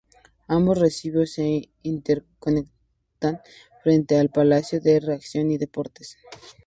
Ambos servicios se interconectan frente al Palacio de Recreación y Deportes.